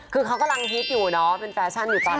คือเขากำลังฮิตอยู่เนาะเป็นแฟชั่นอยู่ตอนนี้